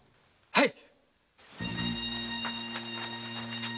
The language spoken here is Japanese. はい。